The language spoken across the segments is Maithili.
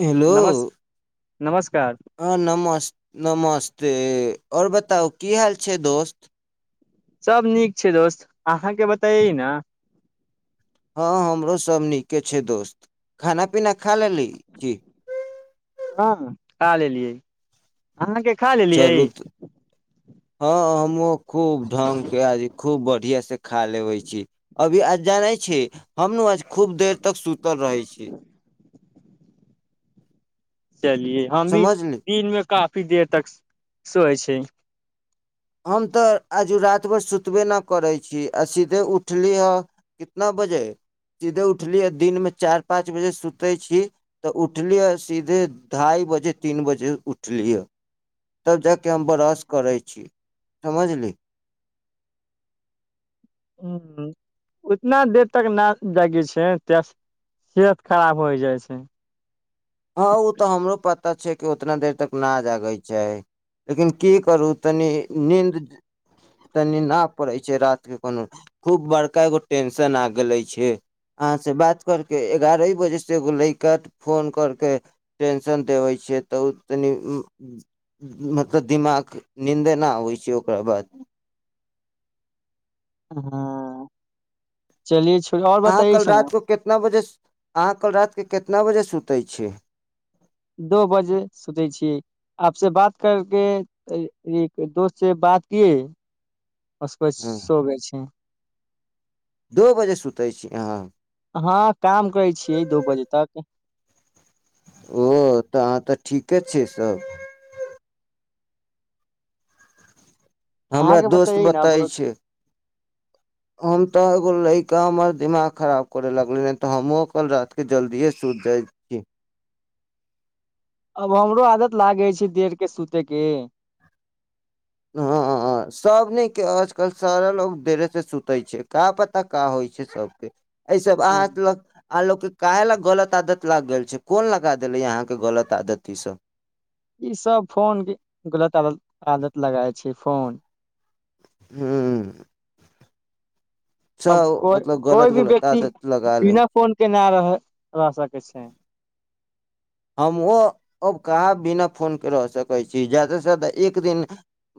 हेलो। नमस हाँ नमस नमस्ते। और बताउ की हाल छै दोस्त। सब नीक छै दोस्त, अहाँके बताइ न। हाँ हमरो सब नीके छै दोस्त, खाना पीना खा लैली की। काल एलियै अहाँके खा लेलियै चलू हँ हमूँ खूब ढङंगगके आज खूब बढ़िआँ से खा लेबै छी अभी आज जानै छी हम ने आज खूब देर तक सुतल रहै छी चलियए हम भी समझली दिन मे काफी काफी देर तक सोइ छै हम तऽ आजु राति भर सुतबे नहि करै छी आ सीधे उठली ह कितना बजे सीधे उठलियै दिनमे चारि पाँच बजे सुतै छी तऽ उठलिय ह सीधे ढाइ बजे तीन बजे उठलीै तब जा कऽ हम बरस करै छी समझली ह उतना देर तक नहि जागै छै त सेहत खराब होइ जाइ छै हँ ओ तऽ हमरो पता छै कि उतना देर तक न जागे छै लेकिन की करू तनी नींद तनी न पड़े छै रात के कोनो खूब बड़का एगो टेंशन आ गेले छै अहाँ से बात कर के एगारहे बजे से एगो लैका फोन कर टेंशन देै छ तऽ मतब दिमाग नींदे नहि आबै छै ओकरा बाद हँ चलिये छ अहाँ कल रात को कितना बजे अहाँ कल रात के कतना कितना बजे सुतै छियै दो बजे सुतै छियै आपस बात करके दोस्त से बात कए उसके बाद सो ग छै दू बजे सुतै छी अहाँ हँ काम करै छियै दू बजे तक ओ तऽ अहाँ तऽ ठीके छै सभ हमरा अहाँके दोस्त बतैयै ने बताय छै हम तऽ एगो ल कऽ हमर दिमाग खराब करय लगलनि नहि तऽ हमहूँ कल रातिके जल्दिए सूति जाइत छी अब हमरो आदत लागै छै देरके सुतयके हँ सबने के आजकल सारा लोक देरे के सुतै छै का पता का होइ छै सबके एहिऐ सब हँ। अहाँत ल आ लोकोके काह लए गलत आदत लागि गेल छै कोन लगा देले अहाँके गलत आदत ईसभ ई सब फोन छ फोन हूँ अब कोइ मतलब गलत कोइ भी गलत व्यक्ति आदत लगा ले बिना फोन के नहि रह रह सकैत छै हम ओँ अब कहाँ बिना फोनके रहहि सकै छी जा्यदासँ जा्यदा एक दिन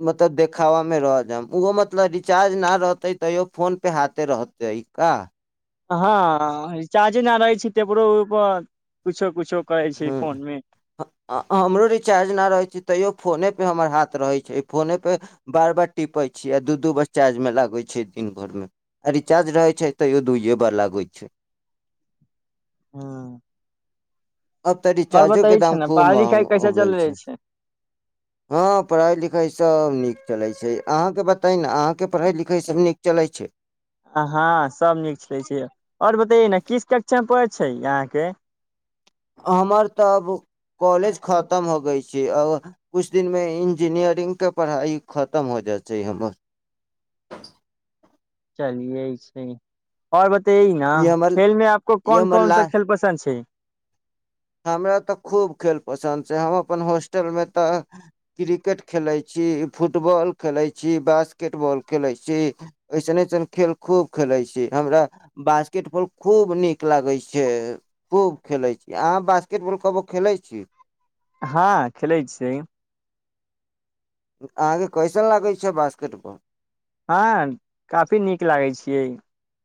मतलब देखाबामे रह जायब ओहो मतलब रिचार्ज नहि रहतै तैयो फोनपे हाथे रहतै का हँ रिचार्जे न रहै छै तेपरो उपर कुछो कुछो करै छै फोन मे ह हमरो रिचार्ज नहि रहैत छै तैयो फोनेपर हमर हाथ रहै छै फोनेपर बार बार टिपैत छी आ दू दू बार चार्जमे लागैत छै दिन भरिमे आ रिचार्ज रहै छै तैयो दुइए बार लागैत छै हँ [inaudible] आब तऽ रिचार्जो के दाम खूब महग लिखाइ हो कैसे गेल चल रहै छै हँ पढ़ाई लिखाई सब नीक चलै छै अहाँके बताइ ने अहाँके पढ़ै लिखै सभ नीक चलै छै हँ सभ नीक छलै छै आओर बतैयए ने किस कक्षा में पढै छै अहाँके हमर तऽ अब कॉलेज खतम हो गइ छै आ किछु दिनमे इंजीनियरिंगके पढ़ाइ खतम हो जाइ छै हमर चलियए आओर ब त ने ई हमर खेल में आपको ई कोन हमर कन ला सा खेल पसन्द छै हमरा तऽ खूब खेल पसन्द छै हम अपन होॉस्टलमे तऽ क्रिकेट खेलैत छी फुटबॉल खेलैत छी बास्केटबॉल खेलैत छी अइसन अइसन खेल खूब खेलैत छी हमरा बासकेटबॉल खूब नीक लागैत छै खूब खेलैत छी आब [unintelligible] हँ खेलै छियै [unintelligible] [unintelligible]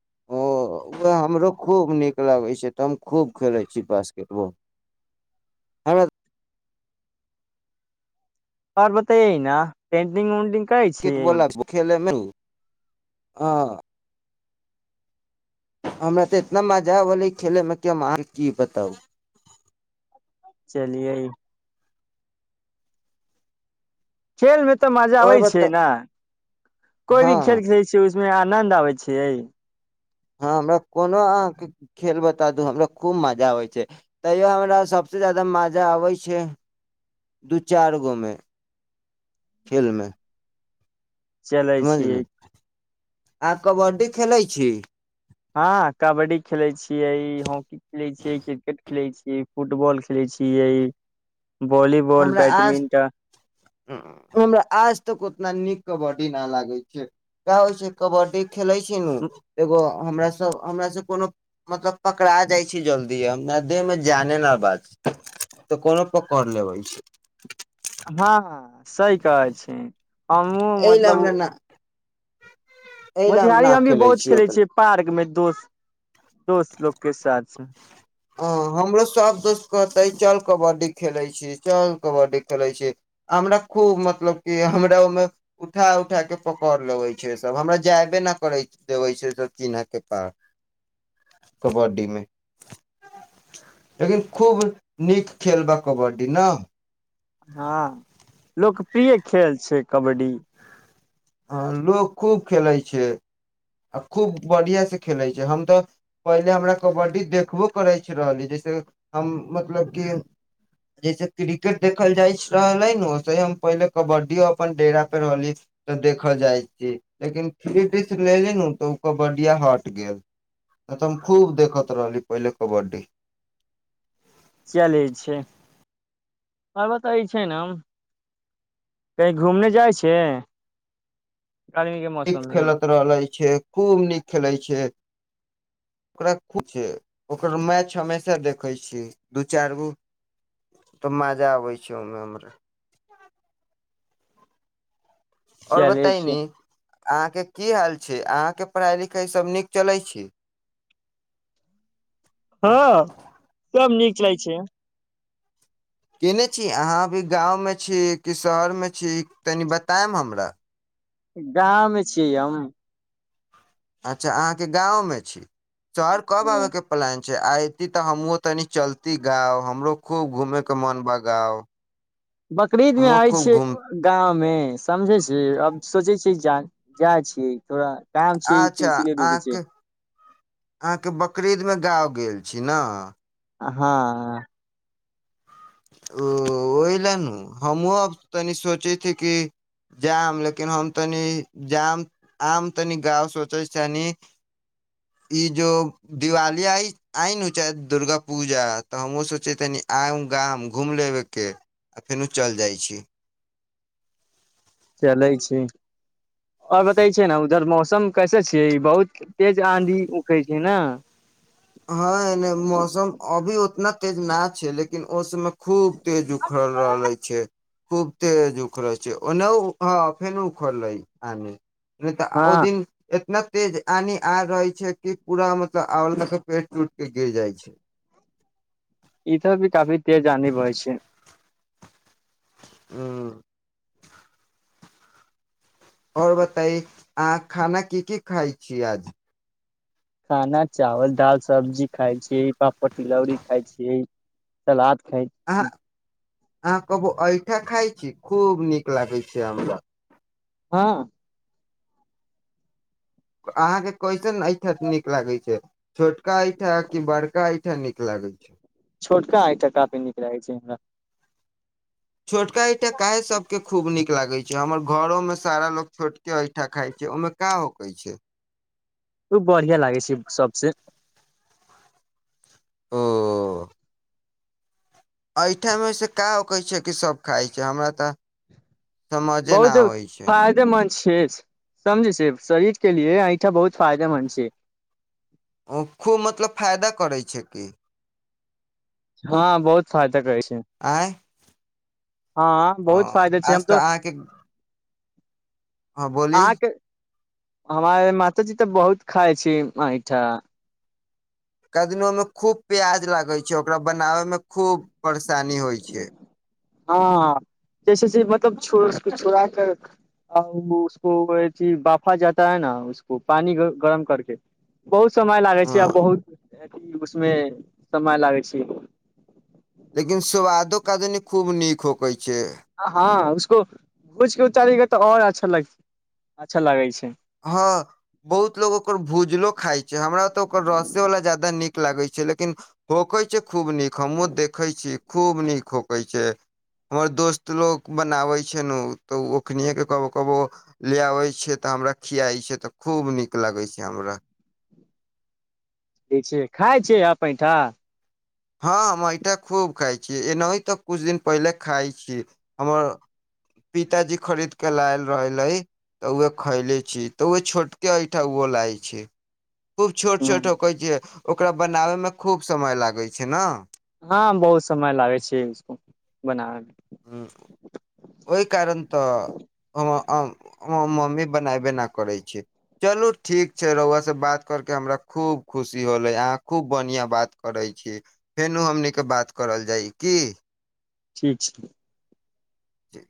[unintelligible] [unintelligible] [unintelligible] ह हमरा तऽ इतना मजा औलै खेलयमे कि हम अहाँ केँ की बताउ चलिये खेलमे तऽ मजा आओर अबै छै बताउ ने कोई हँ भी खेल खेलै छियै उमे आनंद आबै छियै हँ हमरा कोनो अहाँके खेल बता दू हमरा खूब मजा आबै छै तैयो हमरा सभसे ज्यादा मजा आबै छै दू चारि गो मे खेलमे चलै छियै समझली आ कबड्डी खेलै छी हँ कबड्डी खेलै छियै हॉकी खेलैत छियै क्रिकेट खेलैत छियै ई फुटबॉल खेलै छियै वॉलीबॉल हमरा आज बैडमिंटन हमरा आज तक उतना नीक कबड्डी न लागे छै का होइ छै कबड्डी खेले छै नू एगो हमरा सब हमरा से कोनो मतलब पकड़ा जाय छी जल्दी हमरा देह मे जाने न बात छै तऽ कोनो पकड़ लेबै छै हँ सही कहै छी हमहूँ एहि लए मतलब हमरा न एहि लए हम न खेलै छी ओतन [unintelligible] [unintelligible] [unintelligible] हँ लोकप्रिय खेल छै कबड्डी हँ लोक खूब खेलय छै [unintelligible] [unintelligible] [unintelligible] मौसम मे [unintelligible] [unintelligible] [unintelligible] चलै छै के पढ़ाइ लिखाइ सब नीक चलै छै हँ सब नीक चलै छै केने छी अहाँ अभी गाँवमे छी कि शहर मे छी [unintelligible] गाँव मे छियै हम। अच्छा अहाँके गाँव मे छी। शहर कब आबेके प्लान छै, आय एती ते हमहुवो तनि चलती गाँव हमरो खूब घूमे के मन बा गाँव। बकरीद मे हमहुँ आय खूब छी घूम गाँव मे समझै छी अब सोचै छीये जाय, जाय छियै थोड़ा काम छै तऽ अच्छा इसीलिए रुकै छै अहाँके, अहाँके बकरीद मे गाँव गेल छी ने। हाँ। उ ओय लएनु हमहुवो अब तनि सोचै छी कि जाब लेकिन हम तनि जाब आम तनि गाँव सोचै छनि। ई जो दिवाली आइ आइनु चाहे दुर्गा पूजा तऽ हमहूँ सोचै तनि आउ गाम घुम लेबैके आ फेनु चल जाय छी। चलै छी। और बताई छै ने उधर मौसम कैसे छी बहुत तेज आंधी उखै छै ना। हाँ इन्ने मौसम अभी उतना तेज ना छै लेकिन ओ समय खूब तेज उखड़ल रहले छै। खूब तेज उखरै छै ओनहु हाँ फेनु उखड़लै आने। ने तऽ ओ हँ दिन एतना तेज आनी आ रहे छै की पूरा मतलब और मतलब पेड़ टूट के गिर जाय छै। इधर भी काफी तेज आंधी बहे छै। उम्म। और बताई अहाँ खाना की की खाय छी आज। खाना चावल, दाल, सब्जी खाय छी, पापड़, तिलौरी खाय छी, सलाद खाय अहाँ छी। अहाँ कभो ऐठाँ खाय छी, खूब नीक लागै छै हमरा। हाँ। क अहाँ के कैसन ऐठ [unintelligible] नीक लागै छै। छोटका ऐंठा कि बड़का ऐंठा नीक लागै छै। छोटका ऐंठा काफी नीक लागै छै हमरा। छोटका ऐंठा काहे सबके खूब नीक नीक लागै छै, हमर घरोमे सारा लोग छोटके ऐंठा खाय छै, ओय मे का होकै छै। उ बढ़ियाँ लागै छै सबसे। ओ ऐंठा मे से का होकै छै कि सब खाय छै, हमरा तऽ समझे न बहुद आबै छै फायदेमन्द छै, समझै छी शरीर के लिए ऐंठा बहुत फायदेमन्द छी। उ खूब मतलब फायदा करै छै की। हँ बहुत फायदा करै छै आँय हँ बहुत फायदे छै हम आज तऽ अहाँके हँ बोली [unintelligible] [unintelligible] [unintelligible] समय लागै छै आ हँ बहुत [unintelligible] [unintelligible] [unintelligible] अच्छा लग अच्छा लागै छै [unintelligible] [unintelligible] [unintelligible] [unintelligible] हूँ [unintelligible] [unintelligible] छै ने [unintelligible] [unintelligible] ठीक छै ठीक